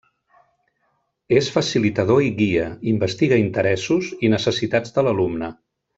És facilitador i guia, investiga interessos i necessitats de l'alumne.